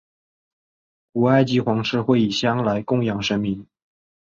古埃及皇室会以香来供养神明。